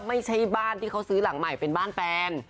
ไม่ใช่บ้านที่เขาซื้อหลังใหม่เป็นบ้านแฟน